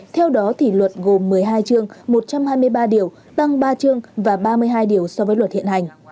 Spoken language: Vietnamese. theo đó thì luật gồm một mươi hai chương một trăm hai mươi ba điều tăng ba chương và ba mươi hai điều so với luật hiện hành